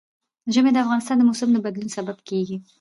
ژمی د افغانستان د موسم د بدلون سبب کېږي.